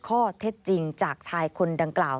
ข้อเท็จจริงจากชายคนดังกล่าว